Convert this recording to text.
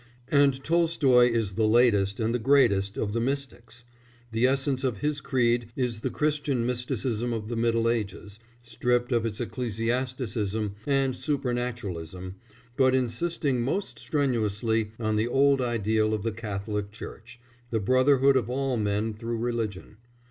And Tolstoy is the latest and the greatest of the mystics; the essence of his creed is the Christian mysticism of the Middle Ages, stripped of its ecclesiasticism and supernaturalism, but insisting most strenuously on the old ideal of the Catholic Church the brotherhood of all men through religion.